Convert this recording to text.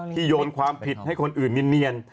โยนความผิดให้คนอื่นเนียน